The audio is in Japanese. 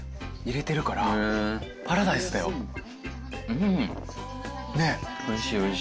うん！